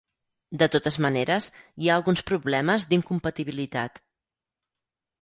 De totes maneres, hi ha alguns problemes d'incompatibilitat.